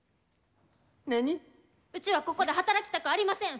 うちはここで働きたくありません！